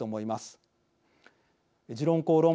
「時論公論」